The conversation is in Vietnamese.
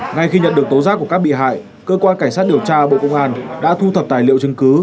ngay khi nhận được tố giác của các bị hại cơ quan cảnh sát điều tra bộ công an đã thu thập tài liệu chứng cứ